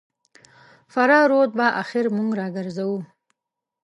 فراه رود به اخر موږ راګرځوو.